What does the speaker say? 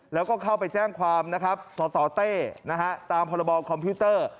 แล้วก็เข้าไปแจ้งความสตตามพบคมพิวเตอร์